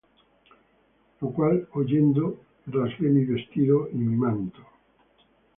Lo cual oyendo yo, rasgué mi vestido y mi manto.